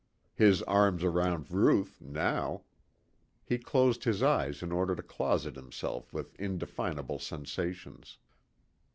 His arms around Ruth now he closed his eyes in order to closet himself with indefinable sensations.